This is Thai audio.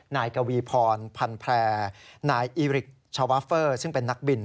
นายกวีพรพันแพร่นายอิริกชาวาเฟอร์ซึ่งเป็นนักบิน